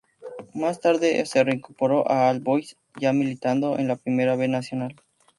Más tarde se reincorporó a All Boys ya militando en la Primera B Nacional.